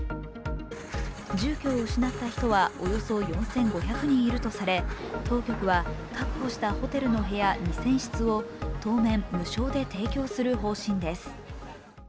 住居を失った人はおよそ４５００人いるとされ当局は確保したホテルの部屋２０００室を当面、無償で提供する方針です。